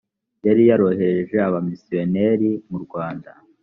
yari yarohereje abamisiyonari mu rwanda